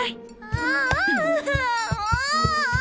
あんもう！